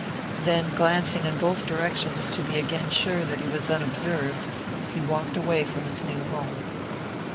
Then glancing in both directions to be again sure that he was unobserved, he walked away from his new home.